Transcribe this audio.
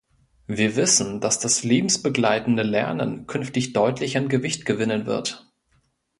Wir wissen, dass das lebensbegleitende Lernen künftig deutlich an Gewicht gewinnen wird.